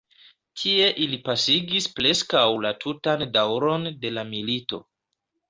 Tie ili pasigis preskaŭ la tutan daŭron de la milito.